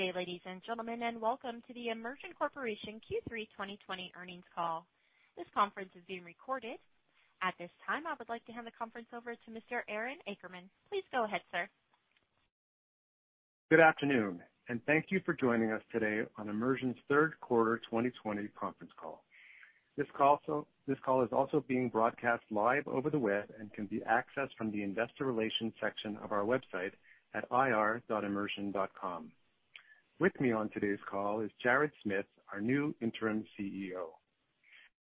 Good day, ladies and gentlemen, welcome to the Immersion Corporation Q3 2020 Earnings Call. This conference is being recorded. At this time, I would like to hand the conference over to Mr. Aaron Akerman. Please go ahead, sir. Good afternoon, and thank you for joining us today on Immersion's Q3 2020 conference call. This call is also being broadcast live over the web and can be accessed from the investor relations section of our website at ir.immersion.com. With me on today's call is Jared Smith, our new Interim CEO.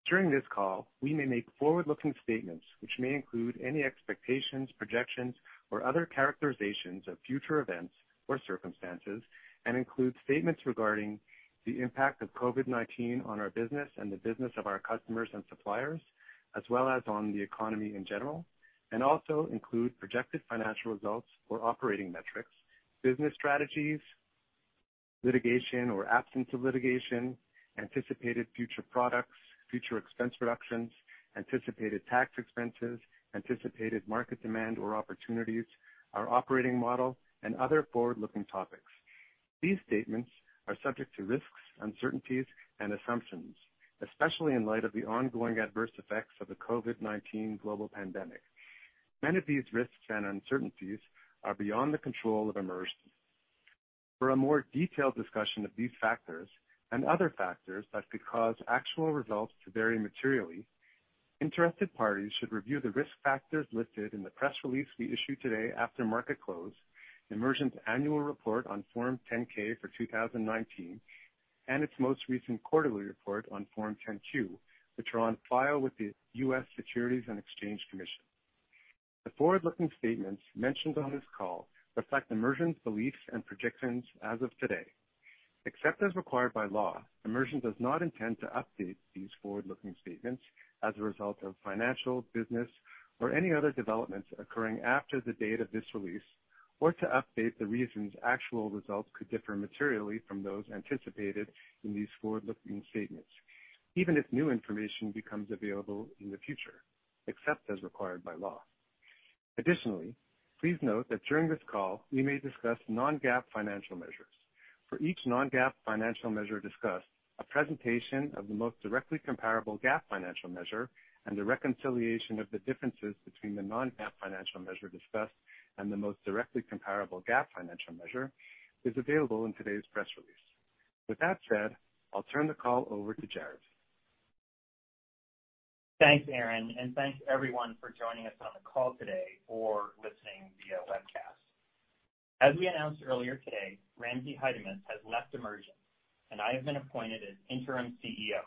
During this call, we may make forward-looking statements which may include any expectations, projections, or other characterizations of future events or circumstances, and include statements regarding the impact of COVID-19 on our business and the business of our customers and suppliers, as well as on the economy in general, and also include projected financial results or operating metrics, business strategies, litigation or absence of litigation, anticipated future products, future expense reductions, anticipated tax expenses, anticipated market demand or opportunities, our operating model, and other forward-looking topics. These statements are subject to risks, uncertainties, and assumptions, especially in light of the ongoing adverse effects of the COVID-19 global pandemic. Many of these risks and uncertainties are beyond the control of Immersion. For a more detailed discussion of these factors and other factors that could cause actual results to vary materially, interested parties should review the risk factors listed in the press release we issue today after market close, Immersion's annual report on Form 10-K for 2019, and its most recent quarterly report on Form 10-Q, which are on file with the U.S. Securities and Exchange Commission. The forward-looking statements mentioned on this call reflect Immersion's beliefs and predictions as of today. Except as required by law, Immersion does not intend to update these forward-looking statements as a result of financial, business, or any other developments occurring after the date of this release, or to update the reasons actual results could differ materially from those anticipated in these forward-looking statements, even if new information becomes available in the future, except as required by law. Additionally, please note that during this call, we may discuss non-GAAP financial measures. For each non-GAAP financial measure discussed, a presentation of the most directly comparable GAAP financial measure and the reconciliation of the differences between the non-GAAP financial measure discussed and the most directly comparable GAAP financial measure is available in today's press release. With that said, I'll turn the call over to Jared. Thanks, Aaron, and thanks, everyone, for joining us on the call today or listening via webcast. As we announced earlier today, Ramzi Haidamus has left Immersion, and I have been appointed as interim CEO.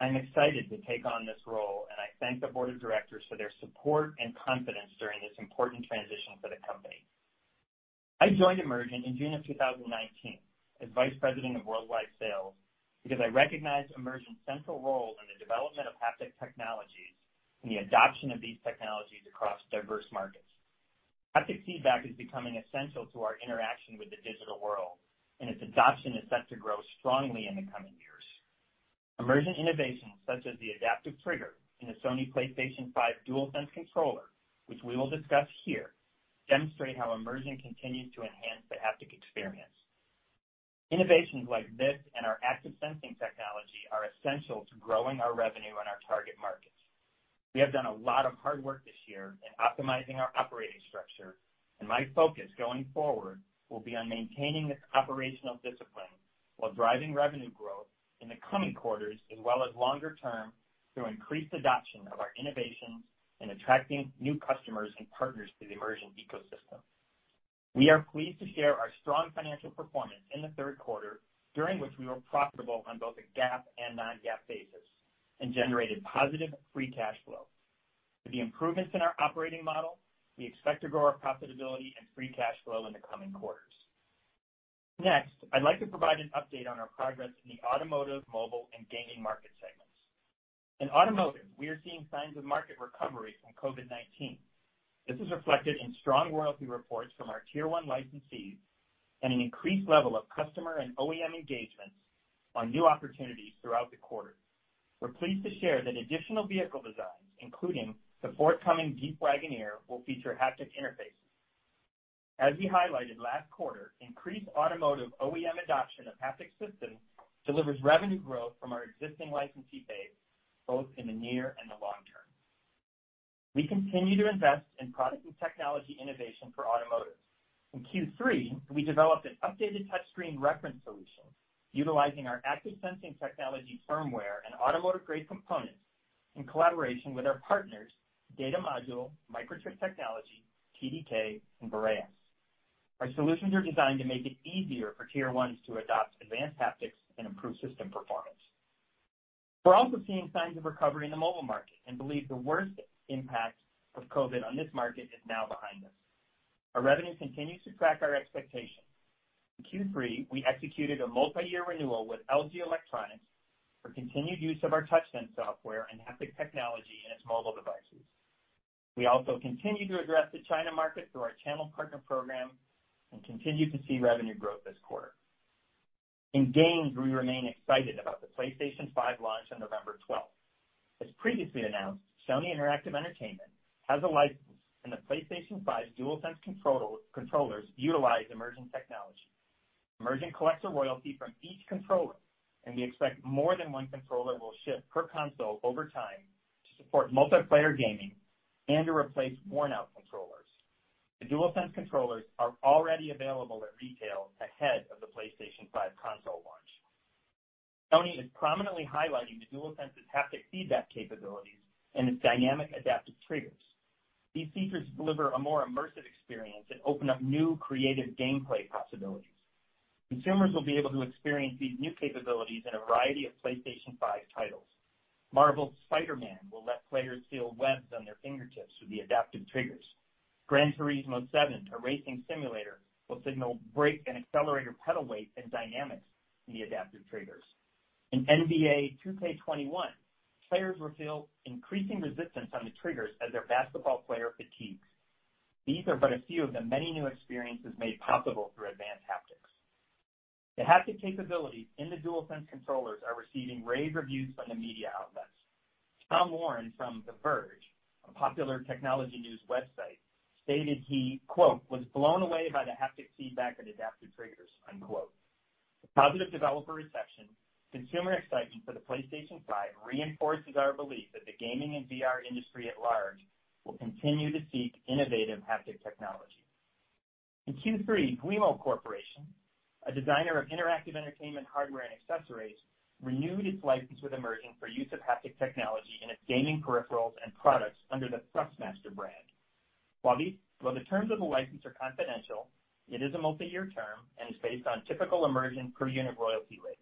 I'm excited to take on this role, and I thank the board of directors for their support and confidence during this important transition for the company. I joined Immersion in June of 2019 as vice president of worldwide sales because I recognized Immersion's central role in the development of haptic technologies and the adoption of these technologies across diverse markets. Haptic feedback is becoming essential to our interaction with the digital world, and its adoption is set to grow strongly in the coming years. Immersion innovations, such as the adaptive trigger in the Sony PlayStation 5 DualSense controller, which we will discuss here, demonstrate how Immersion continues to enhance the haptic experience. Innovations like this and our Active Sensing Technology are essential to growing our revenue in our target markets. We have done a lot of hard work this year in optimizing our operating structure, and my focus going forward will be on maintaining this operational discipline while driving revenue growth in the coming quarters, as well as longer term, through increased adoption of our innovations and attracting new customers and partners to the Immersion ecosystem. We are pleased to share our strong financial performance in the Q3, during which we were profitable on both a GAAP and non-GAAP basis and generated positive free cash flow. With the improvements in our operating model, we expect to grow our profitability and free cash flow in the coming quarters. Next, I'd like to provide an update on our progress in the automotive, mobile, and gaming market segments. In automotive, we are seeing signs of market recovery from COVID-19. This is reflected in strong royalty reports from our T1 licensees and an increased level of customer and OEM engagements on new opportunities throughout the quarter. We're pleased to share that additional vehicle designs, including the forthcoming Jeep Wagoneer, will feature haptic interfaces. As we highlighted last quarter, increased automotive OEM adoption of haptic systems delivers revenue growth from our existing licensee base, both in the near and the long term. We continue to invest in product and technology innovation for automotive. In Q3, we developed an updated touchscreen reference solution utilizing our Active Sensing Technology firmware and automotive-grade components in collaboration with our partners Data Modul, Microchip Technology, TDK, and Boréas. Our solutions are designed to make it easier for tier 1s to adopt advanced haptics and improve system performance. We're also seeing signs of recovery in the mobile market and believe the worst impact of COVID-19 on this market is now behind us. Our revenue continues to track our expectations. In Q3, we executed a multi-year renewal with LG Electronics for continued use of our TouchSense software and haptic technology in its mobile devices. We also continue to address the China market through our channel partner program and continue to see revenue growth this quarter. In games, we remain excited about the PlayStation 5 launch on November 12th. As previously announced, Sony Interactive Entertainment has a license, and the PlayStation 5 DualSense controllers utilize Immersion technology. Immersion collects a royalty from each controller, and we expect more than one controller will ship per console over time to support multiplayer gaming and to replace worn-out controllers. The DualSense controllers are already available at retail ahead of the PlayStation 5 console launch. Sony is prominently highlighting the DualSense's haptic feedback capabilities and its dynamic adaptive triggers. These features deliver a more immersive experience and open up new creative gameplay possibilities. Consumers will be able to experience these new capabilities in a variety of PlayStation 5 titles. Marvel's "Spider-Man" will let players feel webs on their fingertips through the adaptive triggers. "Gran Turismo 7," a racing simulator, will signal brake and accelerator pedal weight and dynamics in the adaptive triggers. In "NBA 2K21," players will feel increasing resistance on the triggers as their basketball player fatigues. These are but a few of the many new experiences made possible through advanced haptics. The haptic capabilities in the DualSense controllers are receiving rave reviews from the media outlets. Tom Warren from The Verge, a popular technology news website, stated he, quote, "Was blown away by the haptic feedback and adaptive triggers," unquote. The positive developer reception, consumer excitement for the PlayStation 5 reinforces our belief that the gaming and VR industry at large will continue to seek innovative haptic technology. In Q3, Guillemot Corporation, a designer of interactive entertainment hardware and accessories, renewed its license with Immersion for use of haptic technology in its gaming peripherals and products under the Thrustmaster brand. While the terms of the license are confidential, it is a multi-year term and is based on typical Immersion per-unit royalty rates.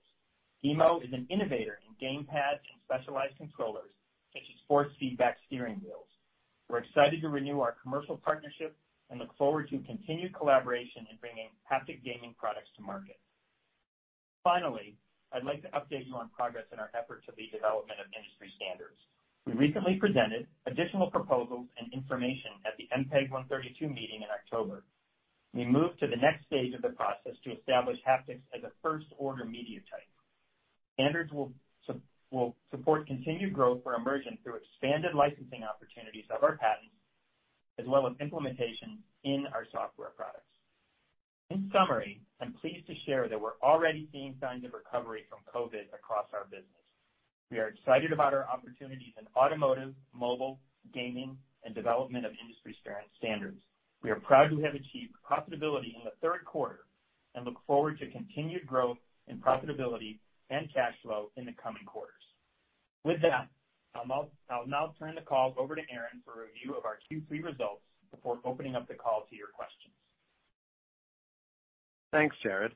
Guillemot is an innovator in gamepads and specialized controllers, such as force feedback steering wheels. We're excited to renew our commercial partnership and look forward to continued collaboration in bringing haptic gaming products to market. Finally, I'd like to update you on progress in our effort to lead development of industry standards. We recently presented additional proposals and information at the MPEG-132 meeting in October. We moved to the next stage of the process to establish haptics as a first-order media type. Standards will support continued growth for Immersion through expanded licensing opportunities of our patents, as well as implementation in our software products. In summary, I'm pleased to share that we're already seeing signs of recovery from COVID across our business. We are excited about our opportunities in automotive, mobile, gaming, and development of industry standards. We are proud to have achieved profitability in the Q3 and look forward to continued growth in profitability and cash flow in the coming quarters. With that, I'll now turn the call over to Aaron for a review of our Q3 results before opening up the call to your questions. Thanks, Jared.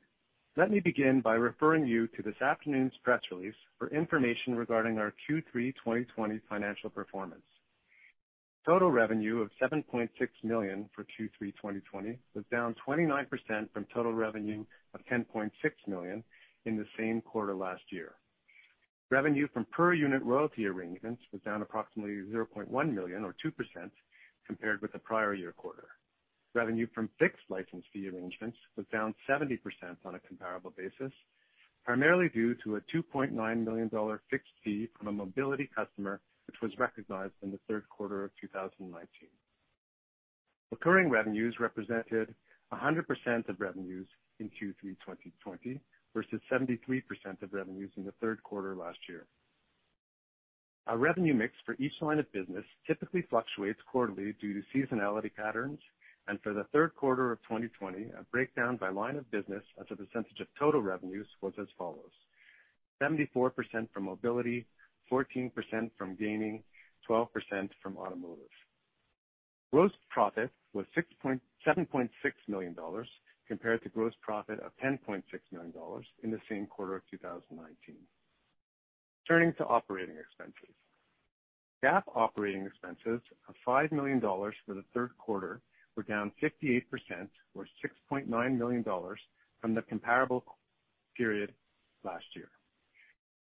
Let me begin by referring you to this afternoon's press release for information regarding our Q3 2020 financial performance. Total revenue of $7.6 million for Q3 2020 was down 29% from total revenue of $10.6 million in the same quarter last year. Revenue from per-unit royalty arrangements was down approximately $0.1 million, or 2%, compared with the prior year quarter. Revenue from fixed license fee arrangements was down 70% on a comparable basis, primarily due to a $2.9 million fixed fee from a mobility customer, which was recognized in the Q3 of 2019. Recurring revenues represented 100% of revenues in Q3 2020, versus 73% of revenues in the Q3 last year. Our revenue mix for each line of business typically fluctuates quarterly due to seasonality patterns. For the Q3 of 2020, a breakdown by line of business as a percentage of total revenues was as follows: 74% from mobility, 14% from gaming, 12% from automotive. Gross profit was $7.6 million compared to gross profit of $10.6 million in the same quarter of 2019. Turning to operating expenses. GAAP operating expenses of $5 million for the Q3 were down 58%, or $6.9 million, from the comparable period last year.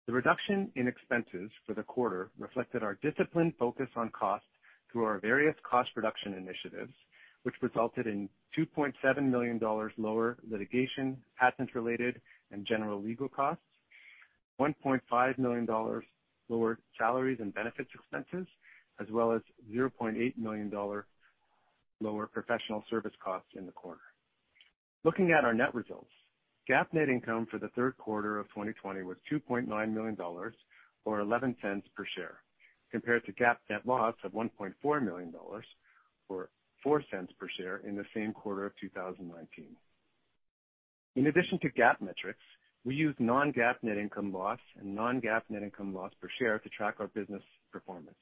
The reduction in expenses for the quarter reflected our disciplined focus on costs through our various cost reduction initiatives, which resulted in $2.7 million lower litigation, patent-related, and general legal costs, $1.5 million lower salaries and benefits expenses, as well as $0.8 million lower professional service costs in the quarter. Looking at our net results. GAAP net income for the Q3 of 2020 was $2.9 million, or $0.11 per share, compared to GAAP net loss of $1.4 million, or $0.04 per share in the same quarter of 2019. In addition to GAAP metrics, we use non-GAAP net income loss and non-GAAP net income loss per share to track our business performance.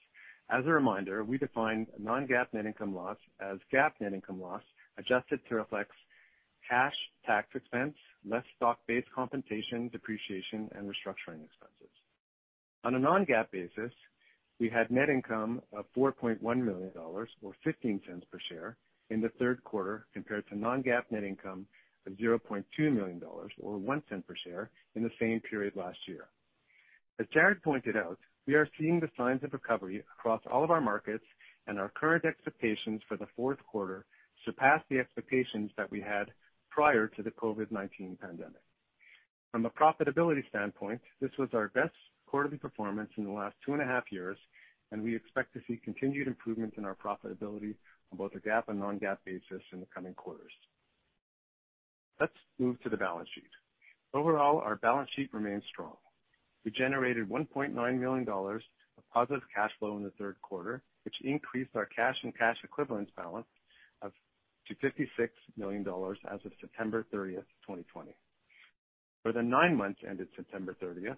As a reminder, we define non-GAAP net income loss as GAAP net income loss adjusted to reflect cash tax expense, less stock-based compensation, depreciation, and restructuring expenses. On a non-GAAP basis, we had net income of $4.1 million, or $0.15 per share in the Q3, compared to non-GAAP net income of $0.2 million, or $0.01 per share in the same period last year. As Jared pointed out, we are seeing the signs of recovery across all of our markets, our current expectations for the Q4 surpass the expectations that we had prior to the COVID-19 pandemic. From a profitability standpoint, this was our best quarterly performance in the last two and a half years, we expect to see continued improvement in our profitability on both a GAAP and non-GAAP basis in the coming quarters. Let's move to the balance sheet. Overall, our balance sheet remains strong. We generated $1.9 million of positive cash flow in the Q3, which increased our cash and cash equivalents balance to $56 million as of September 30th, 2020. For the nine months ended September 30th,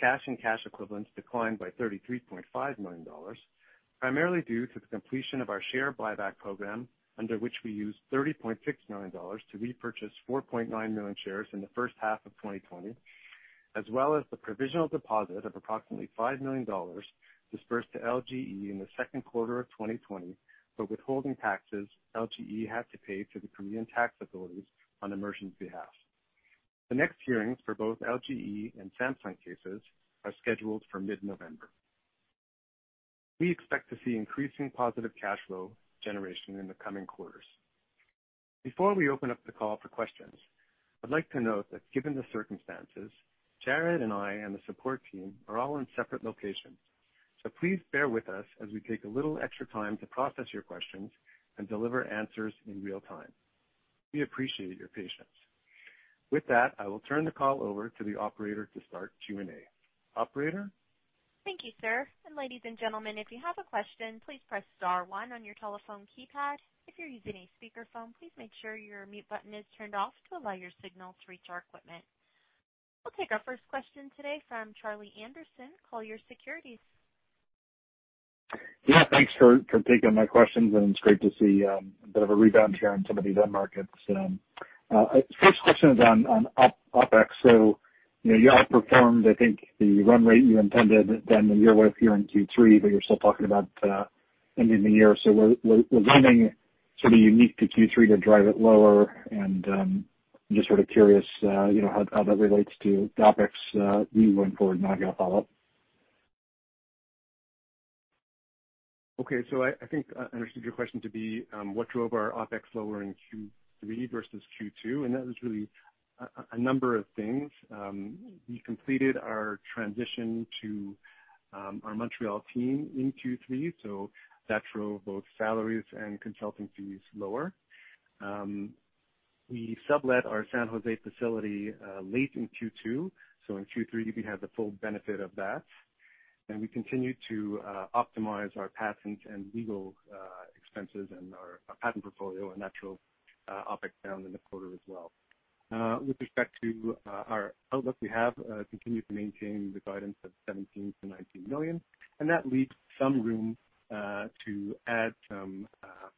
cash and cash equivalents declined by $33.5 million, primarily due to the completion of our share buyback program, under which we used $30.6 million to repurchase 4.9 million shares in the first half of 2020, as well as the provisional deposit of approximately $5 million dispersed to LGE in the Q2 of 2020 for withholding taxes LGE had to pay to the Korean tax authorities on Immersion's behalf. The next hearings for both LGE and Samsung cases are scheduled for mid-November. We expect to see increasing positive cash flow generation in the coming quarters. Before we open up the call for questions, I'd like to note that given the circumstances, Jared and I and the support team are all in separate locations. Please bear with us as we take a little extra time to process your questions and deliver answers in real time. We appreciate your patience. With that, I will turn the call over to the operator to start Q&A. Operator? Thank you, sir. Ladies and gentlemen, if you have a question, please press star one on your telephone keypad. If you're using a speakerphone, please make sure your mute button is turned off to allow your signal to reach our equipment. We'll take our first question today from Charlie Anderson, Colliers Securities. Thanks for taking my questions, and it's great to see a bit of a rebound here in some of these end markets. First question is on OpEx. You outperformed, I think, the run rate you intended than the year with year-end Q3, but you're still talking about ending the year. Was anything sort of unique to Q3 to drive it lower, and I'm just sort of curious how that relates to the OpEx going forward. I've got a follow-up. Okay, I think I understood your question to be what drove our OpEx lower in Q3 versus Q2. That was really a number of things. We completed our transition to our Montreal team in Q3. That drove both salaries and consulting fees lower. We sublet our San Jose facility late in Q2. In Q3 we had the full benefit of that. We continued to optimize our patent and legal expenses and our patent portfolio. That drove OpEx down in the quarter as well. With respect to our outlook, we have continued to maintain the guidance of $17 million to $19 million. That leaves some room to add some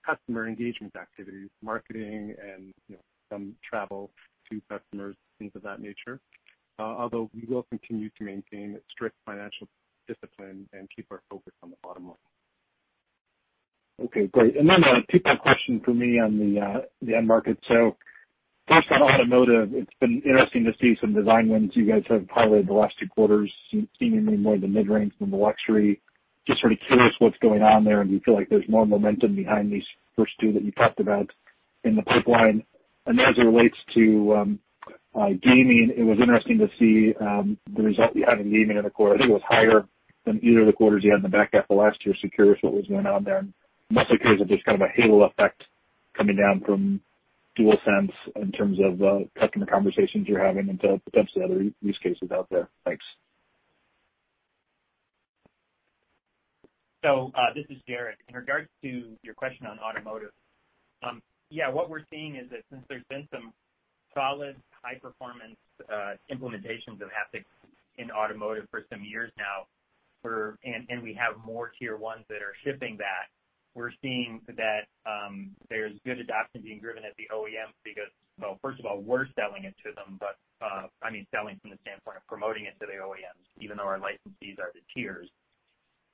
customer engagement activities, marketing, and some travel to customers, things of that nature. Although we will continue to maintain strict financial discipline and keep our focus on the bottom line. Okay, great. A two-part question from me on the end market. First on automotive, it's been interesting to see some design wins you guys have piloted the last two quarters, seemingly more in the mid-range than the luxury. Just sort of curious what's going on there, do you feel like there's more momentum behind these first two that you talked about in the pipeline? Then as it relates to gaming, it was interesting to see the result you had in gaming in the quarter. I think it was higher than either of the quarters you had in the back half of last year, curious what was going on there. I'm also curious if there's kind of a halo effect coming down from DualSense in terms of customer conversations you're having and potentially other use cases out there. Thanks. This is Jared. In regards to your question on automotive, yeah, what we're seeing is that since there's been some solid high-performance implementations of haptics in automotive for some years now, and we have more tier 1s that are shipping that, we're seeing that there's good adoption being driven at the OEM because, well, first of all, we're selling it to them, but I mean selling from the standpoint of promoting it to the OEMs, even though our licensees are the tiers.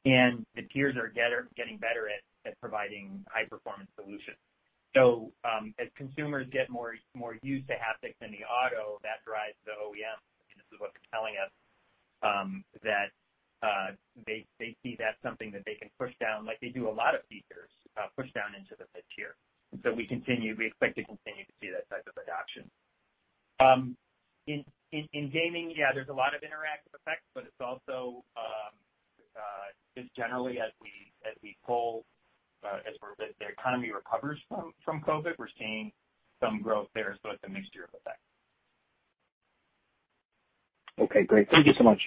The tiers are getting better at providing high-performance solutions. As consumers get more used to haptics in the auto, that drives the OEM, and this is what they're telling us, that they see that's something that they can push down, like they do a lot of features, push down into the mid-tier. We expect to continue to see that type of adoption. In gaming, yeah, there's a lot of interactive effects, but it's also just generally as the economy recovers from COVID, we're seeing some growth there. It's a mixture of effects. Okay, great. Thank you so much.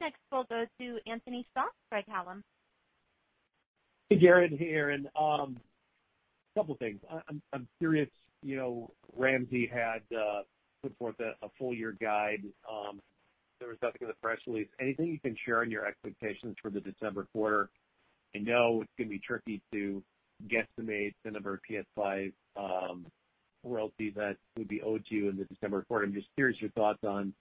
Next we'll go to Anthony Stoss, Craig-Hallum. Hey, Jared here. A couple of things. I'm curious, Ramzi had put forth a full-year guide. There was nothing in the press release. Anything you can share on your expectations for the December quarter? I know it's going to be tricky to guesstimate the number of PS5 royalties that would be owed to you in the December quarter. I'm just curious your thoughts on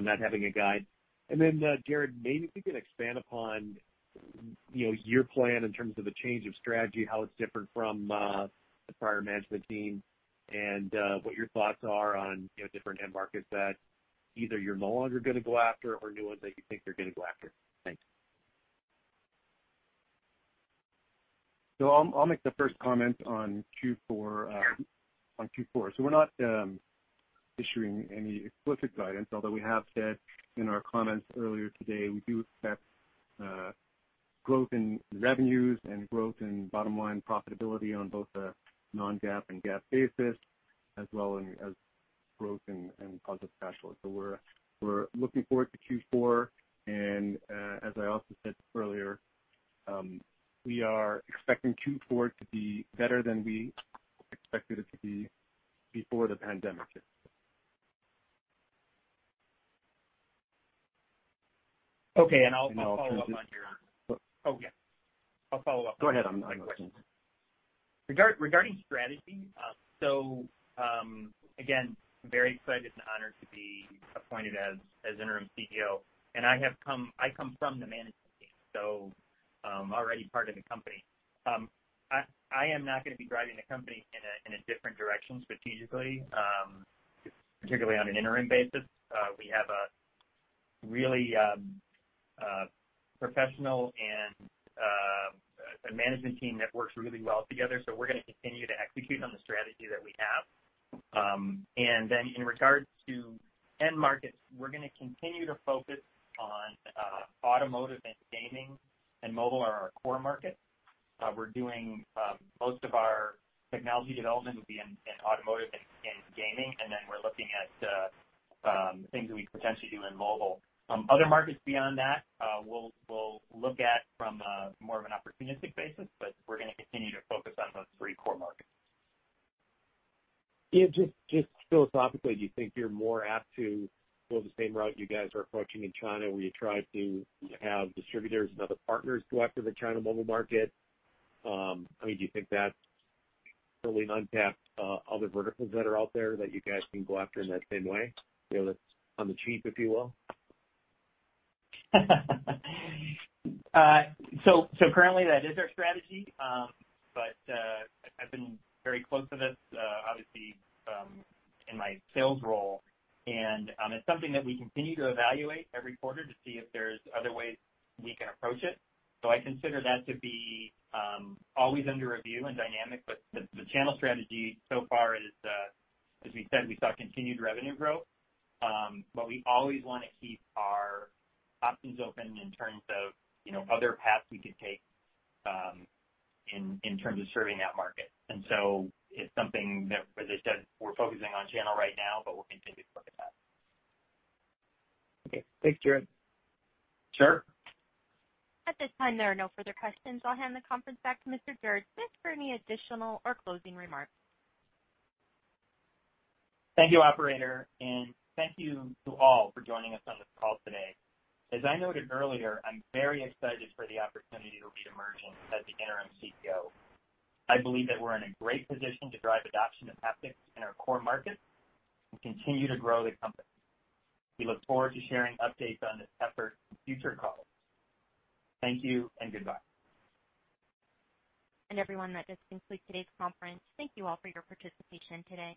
not having a guide. Then, Jared, maybe if you can expand upon Your plan in terms of a change of strategy, how it's different from the prior management team, and what your thoughts are on different end markets that either you're no longer going to go after or new ones that you think you're going to go after. Thanks. I'll make the first comment on Q4. We're not issuing any explicit guidance, although we have said in our comments earlier today, we do expect growth in revenues and growth in bottom-line profitability on both a non-GAAP and GAAP basis, as well as growth in positive cash flow. We're looking forward to Q4, and, as I also said earlier, we are expecting Q4 to be better than we expected it to be before the pandemic hit. Okay, I'll follow up on. I'll turn it back. Oh, yeah. I'll follow up. Go ahead. I'm listening. Regarding strategy. Again, very excited and honored to be appointed as interim CEO, and I come from the management team, so I'm already part of the company. I am not going to be driving the company in a different direction strategically, particularly on an interim basis. We have a really professional and a management team that works really well together, so we're going to continue to execute on the strategy that we have. In regards to end markets, we're going to continue to focus on automotive and gaming, and mobile are our core markets. We're doing most of our technology development will be in automotive and gaming, and then we're looking at things that we could potentially do in mobile. Other markets beyond that, we'll look at from more of an opportunistic basis, but we're going to continue to focus on those three core markets. Yeah, just philosophically, do you think you're more apt to go the same route you guys are approaching in China, where you try to have distributors and other partners go after the China mobile market? Do you think that's fully untapped other verticals that are out there that you guys can go after in that same way, on the cheap, if you will? Currently that is our strategy. I've been very close to this, obviously, in my sales role, and it's something that we continue to evaluate every quarter to see if there's other ways we can approach it. I consider that to be always under review and dynamic, but the channel strategy so far is, as we said, we saw continued revenue growth. We always want to keep our options open in terms of other paths we could take in terms of serving that market. It's something that, as I said, we're focusing on channel right now, but we'll continue to look at that. Okay. Thanks, Jared. Sure. At this time, there are no further questions. I'll hand the conference back to Mr. Jared Smith for any additional or closing remarks. Thank you, operator, and thank you to all for joining us on this call today. As I noted earlier, I'm very excited for the opportunity to lead Immersion as the interim CEO. I believe that we're in a great position to drive adoption of haptics in our core markets and continue to grow the company. We look forward to sharing updates on this effort in future calls. Thank you and goodbye. Everyone, that does conclude today's conference. Thank you all for your participation today.